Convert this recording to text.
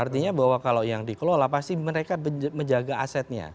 artinya bahwa kalau yang dikelola pasti mereka menjaga asetnya